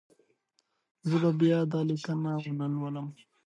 زه به بیا دا لیکنه ونه لولم.